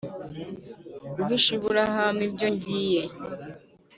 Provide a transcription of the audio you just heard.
guhisha Aburahamu ibyo ngiye